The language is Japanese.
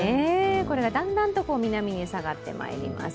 これがだんだんと南に下がってまいります。